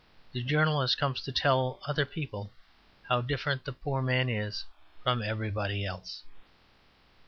The journalist comes to tell other people how different the poor man is from everybody else.